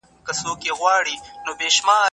خاوند دا حق لري، چي د قرعه کشۍ پرته هم تصميم ونيسي.